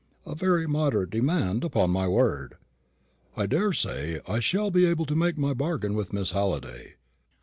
"A very moderate demand, upon my word!" "I daresay I shall be able to make my bargain with Miss Halliday."